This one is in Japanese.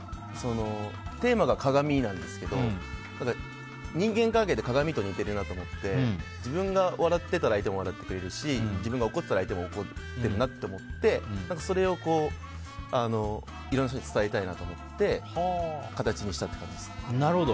テーマが鏡なんですけど人間関係って鏡と似ているなと思って自分が笑ってたら相手も笑ってくれるし自分が怒ってたら相手も怒ってるなと思ってそれをいろんな人に伝えたいなと思ってなるほど。